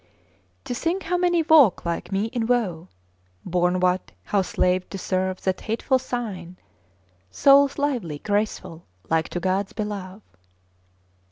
To think how many walk like me in woe! Born what, how slaved to serve that hateful sign! Souls lively, graceful, like to gods below!